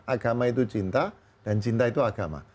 agama itu cinta dan cinta itu agama